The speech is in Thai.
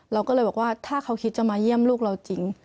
เราก็เลยบอกว่าถ้าเขาคิดจะมาเยี่ยมลูกเราจริง